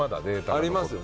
ありますよ。